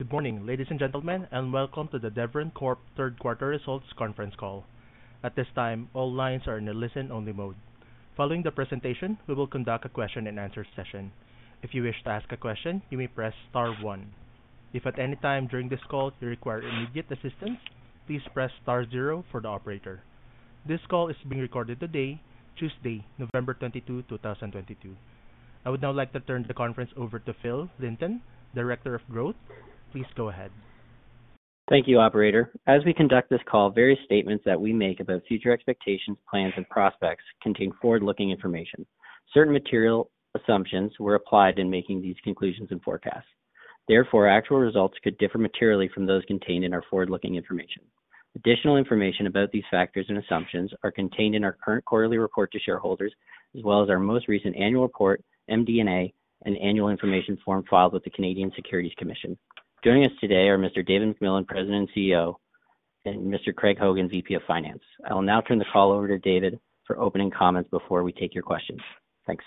Good morning, ladies and gentlemen, and welcome to the Deveron Corp third quarter results conference call. At this time, all lines are in a listen-only mode. Following the presentation, we will conduct a question-and-answer session. If you wish to ask a question, you may press star one. If at any time during this call you require immediate assistance, please press star zero for the operator. This call is being recorded today, Tuesday, November 22, 2022. I would now like to turn the conference over to Philip Linton, Director of Growth. Please go ahead. Thank you, operator. As we conduct this call, various statements that we make about future expectations, plans and prospects contain forward-looking information. Certain material assumptions were applied in making these conclusions and forecasts. Actual results could differ materially from those contained in our forward-looking information. Additional information about these factors and assumptions are contained in our current quarterly report to shareholders, as well as our most recent annual report, MD&A, and annual information form filed with the Canadian Securities Administrators. Joining us today are Mr. David MacMillan, President and CEO, and Mr. Craig Hogan, VP of Finance. I will now turn the call over to David for opening comments before we take your questions. Thanks.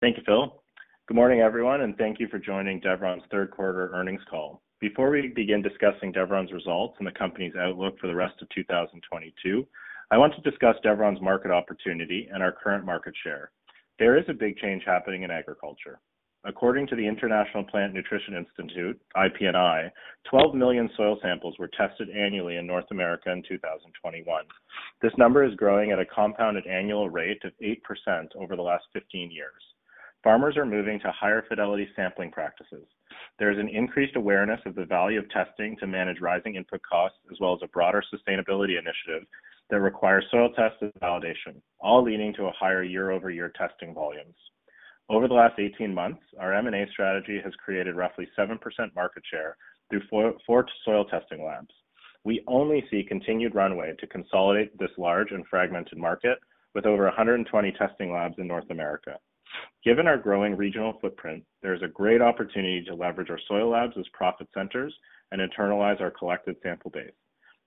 Thank you, Phil. Good morning, everyone, and thank you for joining Deveron's third quarter earnings call. Before we begin discussing Deveron's results and the company's outlook for the rest of 2022, I want to discuss Deveron's market opportunity and our current market share. There is a big change happening in agriculture. According to the International Plant Nutrition Institute, IPNI, 12 million soil samples were tested annually in North America in 2021. This number is growing at a compounded annual rate of 8% over the last 15 years. Farmers are moving to higher fidelity sampling practices. There is an increased awareness of the value of testing to manage rising input costs, as well as a broader sustainability initiative that requires soil test as validation, all leading to a higher year-over-year testing volumes. Over the last 18 months, our M&A strategy has created roughly 7% market share through four soil testing labs. We only see continued runway to consolidate this large and fragmented market with over 120 testing labs in North America. Given our growing regional footprint, there is a great opportunity to leverage our soil labs as profit centers and internalize our collective sample base.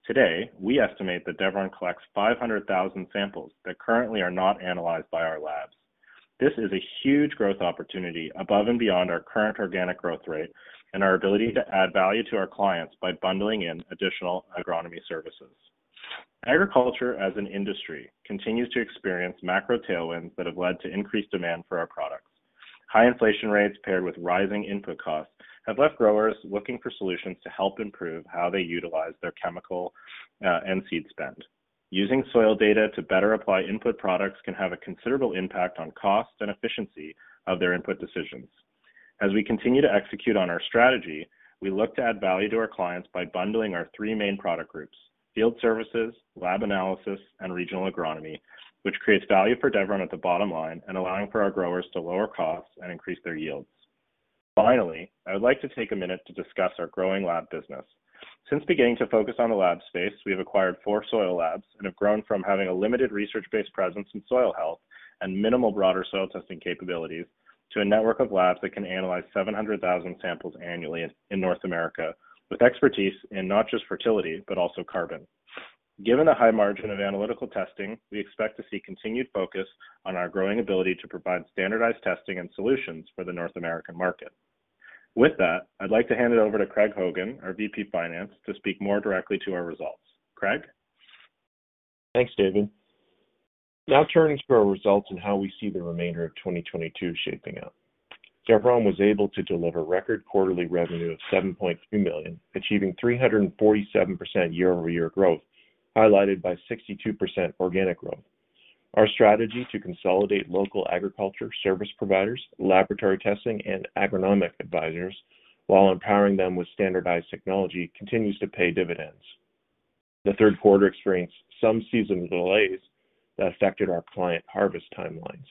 Today, we estimate that Deveron collects 500,000 samples that currently are not analyzed by our labs. This is a huge growth opportunity above and beyond our current organic growth rate and our ability to add value to our clients by bundling in additional agronomy services. Agriculture as an industry continues to experience macro tailwinds that have led to increased demand for our products. High inflation rates paired with rising input costs have left growers looking for solutions to help improve how they utilize their chemical and seed spend. Using soil data to better apply input products can have a considerable impact on cost and efficiency of their input decisions. As we continue to execute on our strategy, we look to add value to our clients by bundling our three main product groups, field services, lab analysis, and regional agronomy, which creates value for Deveron at the bottom line and allowing for our growers to lower costs and increase their yields. Finally, I would like to take a minute to discuss our growing lab business. Since beginning to focus on the lab space, we have acquired four soil labs and have grown from having a limited research-based presence in soil health and minimal broader soil testing capabilities to a network of labs that can analyze 700,000 samples annually in North America with expertise in not just fertility, but also carbon. Given the high margin of analytical testing, we expect to see continued focus on our growing ability to provide standardized testing and solutions for the North American market. With that, I'd like to hand it over to Craig Hogan, our VP of Finance, to speak more directly to our results. Craig. Thanks, David. Turning to our results and how we see the remainder of 2022 shaping up. Deveron was able to deliver record quarterly revenue of $7.3 million, achieving 347% year-over-year growth, highlighted by 62% organic growth. Our strategy to consolidate local agriculture service providers, laboratory testing, and agronomic advisors, while empowering them with standardized technology, continues to pay dividends. The third quarter experienced some season delays that affected our client harvest timelines.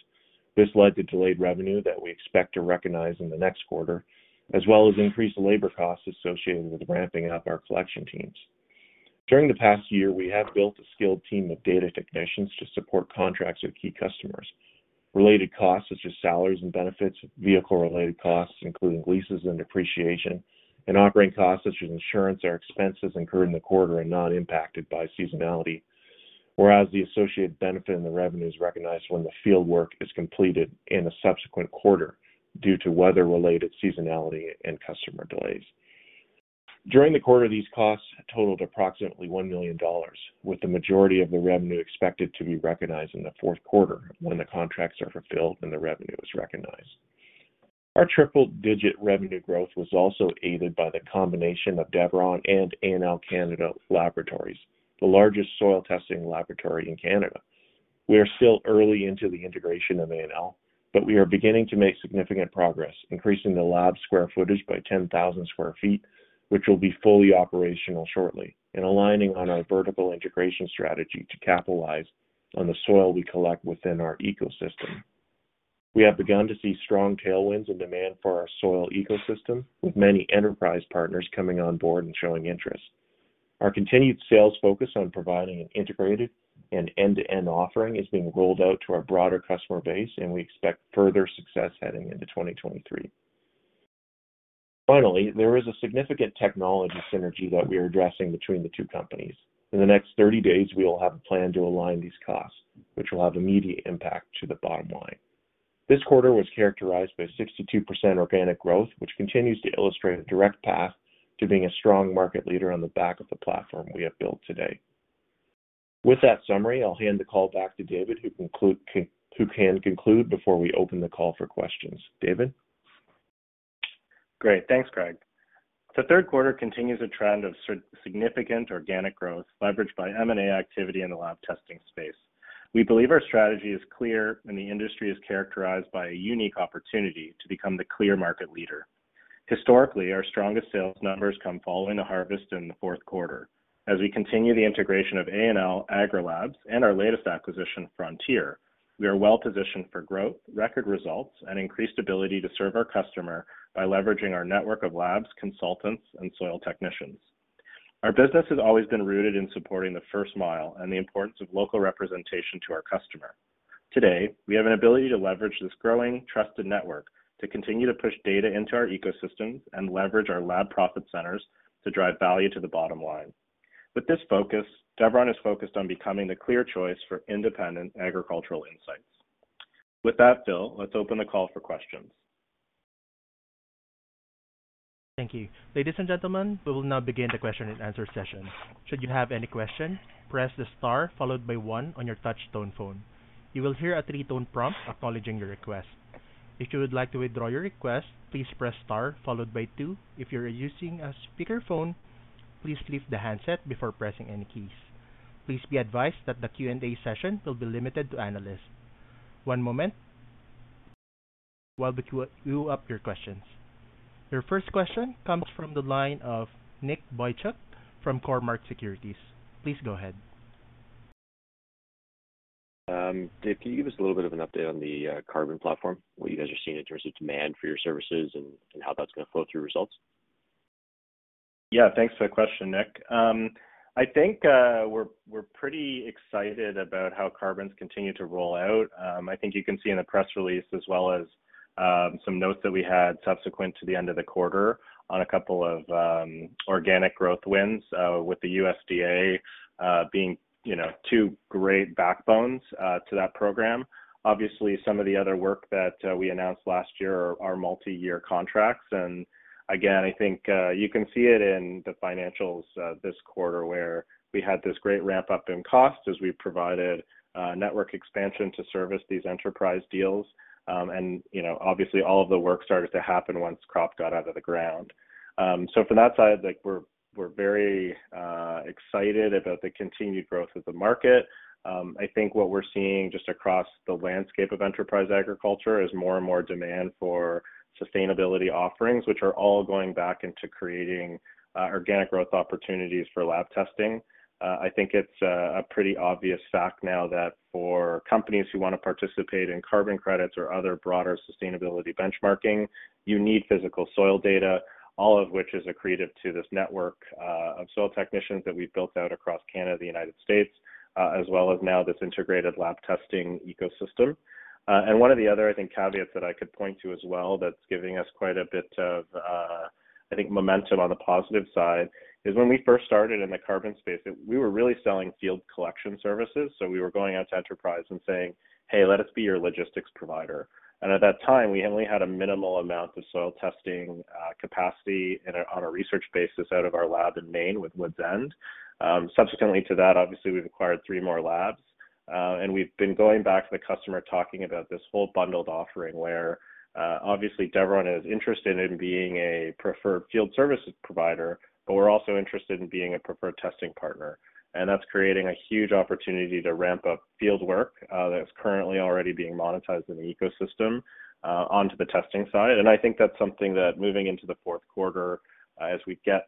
This led to delayed revenue that we expect to recognize in the next quarter, as well as increased labor costs associated with ramping up our collection teams. During the past year, we have built a skilled team of data technicians to support contracts with key customers. Related costs, such as salaries and benefits, vehicle-related costs, including leases and depreciation, and operating costs such as insurance are expenses incurred in the quarter are not impacted by seasonality. The associated benefit and the revenue is recognized when the fieldwork is completed in a subsequent quarter due to weather-related seasonality and customer delays. During the quarter, these costs totaled approximately $1 million, with the majority of the revenue expected to be recognized in the fourth quarter when the contracts are fulfilled and the revenue is recognized. Our triple digit revenue growth was also aided by the combination of Deveron and A&L Canada Laboratories, the largest soil testing laboratory in Canada. We are still early into the integration of A&L, we are beginning to make significant progress, increasing the lab square footage by 10,000 sq ft, which will be fully operational shortly, and aligning on our vertical integration strategy to capitalize on the soil we collect within our ecosystem. We have begun to see strong tailwinds and demand for our soil ecosystem, with many enterprise partners coming on board and showing interest. Our continued sales focus on providing an integrated and end-to-end offering is being rolled out to our broader customer base, and we expect further success heading into 2023. There is a significant technology synergy that we are addressing between the two companies. In the next 30 days, we will have a plan to align these costs, which will have immediate impact to the bottom line. This quarter was characterized by 62% organic growth, which continues to illustrate a direct path to being a strong market leader on the back of the platform we have built today. With that summary, I'll hand the call back to David, who can conclude before we open the call for questions. David? Great. Thanks, Craig. The third quarter continues a trend of significant organic growth leveraged by M&A activity in the lab testing space. We believe our strategy is clear. The industry is characterized by a unique opportunity to become the clear market leader. Historically, our strongest sales numbers come following the harvest in the fourth quarter. We continue the integration of A&L, Agri-Labs, and our latest acquisition, Frontier, we are well-positioned for growth, record results, and increased ability to serve our customer by leveraging our network of labs, consultants, and soil technicians. Our business has always been rooted in supporting the first mile and the importance of local representation to our customer. Today, we have an ability to leverage this growing trusted network to continue to push data into our ecosystems and leverage our lab profit centers to drive value to the bottom line. With this focus, Deveron is focused on becoming the clear choice for independent agricultural insights. With that, Phil, let's open the call for questions. Thank you. Ladies and gentlemen, we will now begin the question-and-answer session. Should you have any question, press the star followed by one on your touch tone phone. You will hear a three tone prompt acknowledging your request. If you would like to withdraw your request, please press star followed by two. If you're using a speakerphone, please leave the handset before pressing any keys. Please be advised that the Q&A session will be limited to analysts. One moment while we queue up your questions. Your first question comes from the line of Nick Boychuk from Cormark Securities. Please go ahead. Dave, can you give us a little bit of an update on the carbon platform, what you guys are seeing in terms of demand for your services and how that's gonna flow through results? Yeah. Thanks for that question, Nick. I think we're pretty excited about how carbon's continued to roll out. I think you can see in the press release as well as some notes that we had subsequent to the end of the quarter on a couple of organic growth wins with the USDA being, you know, two great backbones to that program. Obviously, some of the other work that we announced last year are multiyear contracts. Again, I think you can see it in the financials this quarter, where we had this great ramp up in costs as we provided network expansion to service these enterprise deals. You know, obviously, all of the work started to happen once crop got out of the ground. From that side, like we're very excited about the continued growth of the market. I think what we're seeing just across the landscape of enterprise agriculture is more and more demand for sustainability offerings, which are all going back into creating organic growth opportunities for lab testing. I think it's a pretty obvious fact now that for companies who wanna participate in carbon credits or other broader sustainability benchmarking, you need physical soil data, all of which is accretive to this network of soil technicians that we've built out across Canada, the United States, as well as now this integrated lab testing ecosystem. One of the other, I think, caveats that I could point to as well that's giving us quite a bit of, I think, momentum on the positive side is when we first started in the carbon space, we were really selling field collection services. We were going out to enterprise and saying, "Hey, let us be your logistics provider." At that time, we only had a minimal amount of soil testing capacity in a, on a research basis out of our lab in Maine with Woods End. Subsequently to that, obviously, we've acquired three more labs, and we've been going back to the customer talking about this whole bundled offering where, obviously Deveron is interested in being a preferred field services provider, but we're also interested in being a preferred testing partner. That's creating a huge opportunity to ramp up field work, that's currently already being monetized in the ecosystem, onto the testing side. I think that's something that moving into the fourth quarter, as we get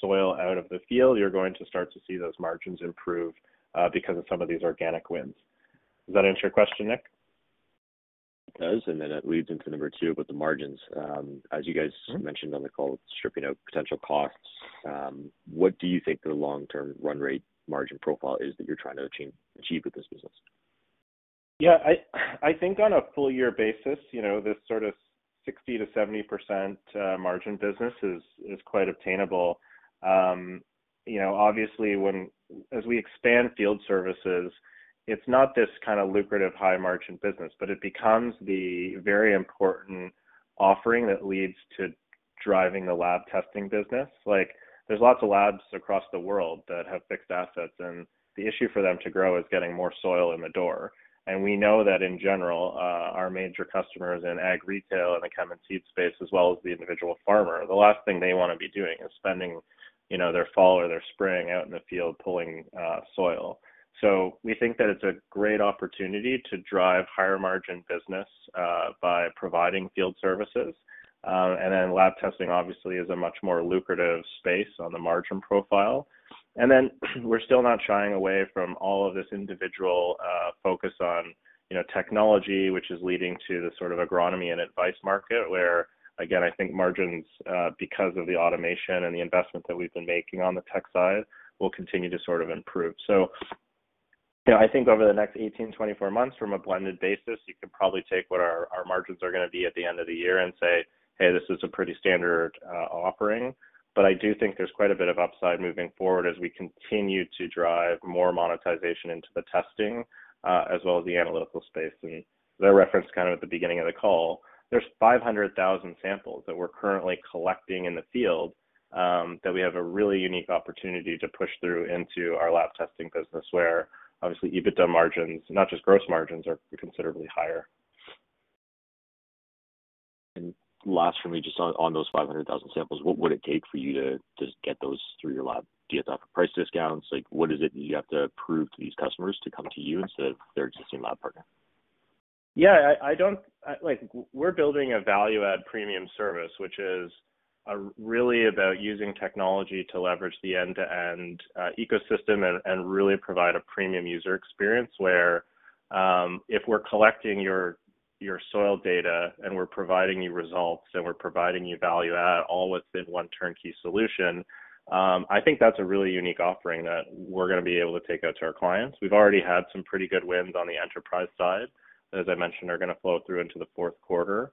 soil out of the field, you're going to start to see those margins improve, because of some of these organic wins. Does that answer your question, Nick? It does, and then it leads into number two about the margins. As you guys mentioned on the call, stripping out potential costs, what do you think the long-term run rate margin profile is that you're trying to achieve with this business? Yeah. I think on a full-year basis, you know, this sort of 60%-70% margin business is quite obtainable. You know, obviously, as we expand field services, it's not this kind of lucrative high margin business, but it becomes the very important offering that leads to driving the lab testing business. Like there's lots of labs across the world that have fixed assets, and the issue for them to grow is getting more soil in the door. We know that in general, our major customers in ag retail and the chem and seed space as well as the individual farmer, the last thing they wanna be doing is spending, you know, their fall or their spring out in the field pulling soil. We think that it's a great opportunity to drive higher margin business by providing field services. Lab testing obviously is a much more lucrative space on the margin profile. We're still not shying away from all of this individual focus on, you know, technology, which is leading to the sort of agronomy and advice market where again, I think margins because of the automation and the investment that we've been making on the tech side will continue to sort of improve. You know, I think over the next 18, 24 months from a blended basis, you could probably take what our margins are gonna be at the end of the year and say, "Hey, this is a pretty standard offering." I do think there's quite a bit of upside moving forward as we continue to drive more monetization into the testing, as well as the analytical space. That reference kind of at the beginning of the call, there's 500,000 samples that we're currently collecting in the field, that we have a really unique opportunity to push through into our lab testing business where obviously EBITDA margins, not just gross margins, are considerably higher. Last for me, just on 500,000 samples, what would it take for you to get those through your lab? Do you have to offer price discounts? Like, what is it you have to prove to these customers to come to you instead of their existing lab partner? Yeah. I don't like we're building a value add premium service, which is really about using technology to leverage the end-to-end ecosystem and really provide a premium user experience where if we're collecting your soil data and we're providing you results and we're providing you value add all within one turnkey solution, I think that's a really unique offering that we're gonna be able to take out to our clients. We've already had some pretty good wins on the enterprise side, as I mentioned, are gonna flow through into the fourth quarter.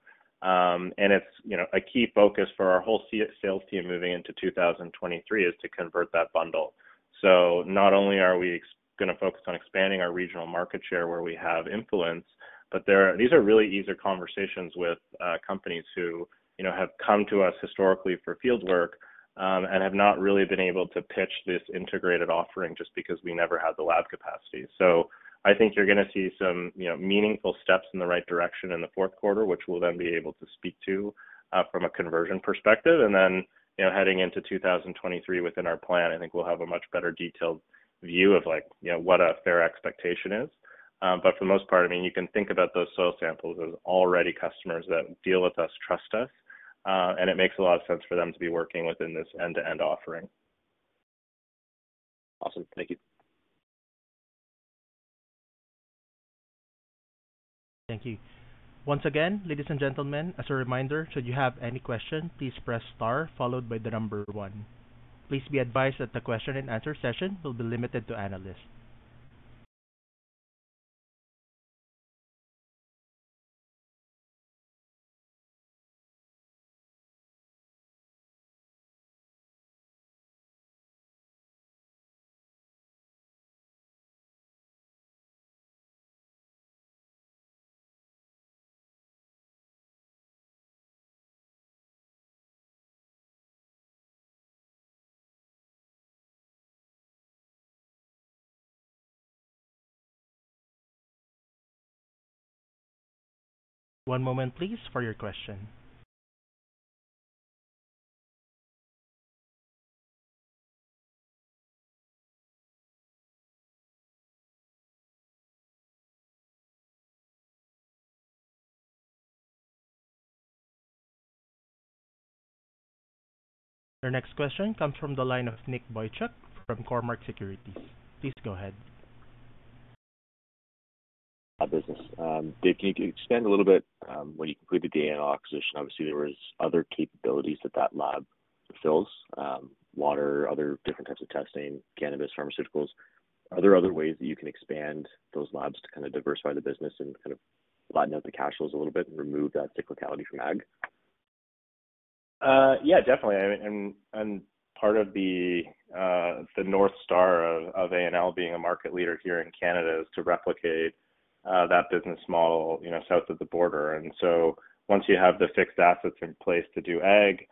It's, you know, a key focus for our whole sales team moving into 2023 is to convert that bundle. Not only are we gonna focus on expanding our regional market share where we have influence, but there are, these are really easier conversations with companies who, you know, have come to us historically for field work, and have not really been able to pitch this integrated offering just because we never had the lab capacity. I think you're gonna see some, you know, meaningful steps in the right direction in the fourth quarter, which we'll then be able to speak to from a conversion perspective. Then, you know, heading into 2023 within our plan, I think we'll have a much better detailed view of like, you know, what a fair expectation is. For the most part, I mean, you can think about those soil samples as already customers that deal with us, trust us, and it makes a lot of sense for them to be working within this end-to-end offering. Awesome. Thank you. Thank you. Once again, ladies and gentlemen, as a reminder, should you have any question, please press star followed by the number one. Please be advised that the question and answer session will be limited to analysts. One moment please, for your question. Your next question comes from the line of Nick Boychuk from Cormark Securities. Please go ahead. Business. Dave, can you expand a little bit, when you completed the A&L acquisition, obviously there was other capabilities that that lab fills, water, other different types of testing, cannabis, pharmaceuticals. Are there other ways that you can expand those labs to kinda diversify the business and kind of flatten out the cash flows a little bit and remove that cyclicality from ag? Yeah, definitely. And part of the North Star of A&L being a market leader here in Canada is to replicate that business model, you know, south of the border. Once you have the fixed assets in place to do ag,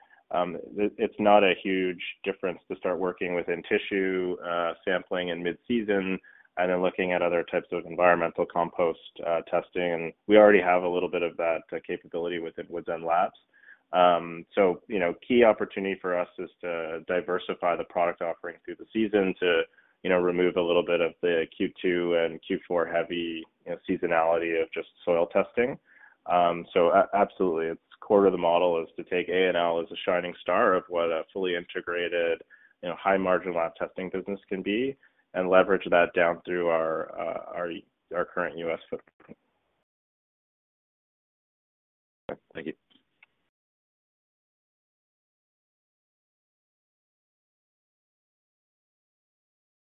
it's not a huge difference to start working within tissue sampling in mid-season, and then looking at other types of environmental compost testing. We already have a little bit of that capability with Zenlabs. You know, key opportunity for us is to diversify the product offering through the season to, you know, remove a little bit of the Q2 and Q4 heavy, you know, seasonality of just soil testing. Absolutely, it's core to the model is to take A&L as a shining star of what a fully integrated, you know, high margin lab testing business can be and leverage that down through our current U.S. footprint.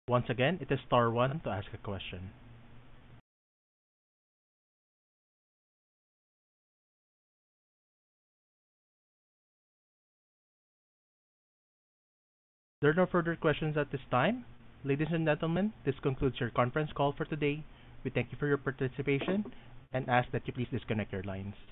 Thank you. Once again, it is star one to ask a question. There are no further questions at this time. Ladies and gentlemen, this concludes your conference call for today. We thank you for your participation and ask that you please disconnect your lines.